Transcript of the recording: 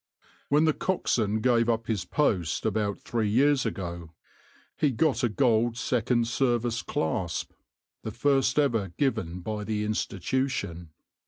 When the coxswain gave up his post, about three years ago, he got a gold second service clasp, the first ever given by the Institution.